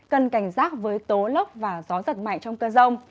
cân cảnh giác với tố lốc và gió giật mạnh trong cân rông